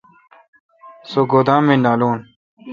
سو گودام می نالون۔